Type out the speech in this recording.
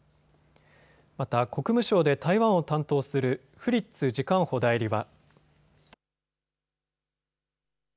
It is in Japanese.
また国務省で台湾を担当するフリッツ次官補代理は。